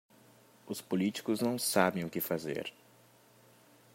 Os politícos não sabem o que fazer.